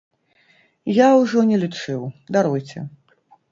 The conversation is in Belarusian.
Я ўжо не лічыў, даруйце.